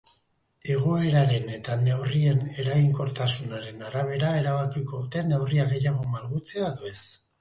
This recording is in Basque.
Egoeraren eta neurrien eraginkortasunaren arabera erabakiko dute neurriak gehiago malgutzea edo ez.